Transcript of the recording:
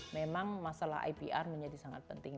memang masalah ipr menjadi sangat penting